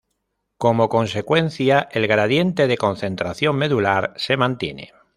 Como consecuencia, el gradiente de concentración medular se mantiene.